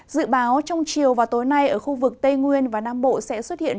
dự báo trong chiều và tối nay ở khu vực tây nguyên và nam bộ sẽ xuất hiện